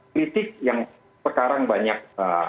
kritik yang sekarang banyak